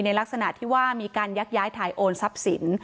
ลักษณะที่ว่ามีการยักย้ายถ่ายโอนทรัพย์สิน